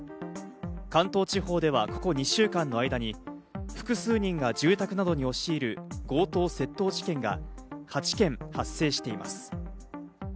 関東地方ではここ２週間の間に複数人が住宅などに押し入る強盗窃盗事件が８件発生しています。